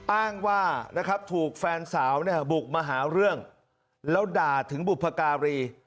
อ้างว่าถูกแฟนสาวบุกมหาเรื่องแล้วด่าถึงบุตรปราการี